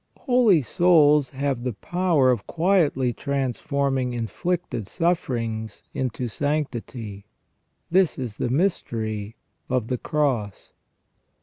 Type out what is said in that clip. Holy souls have the power of quietly transforming inflicted sufferings into sanctity. This is the mystery of the Cross.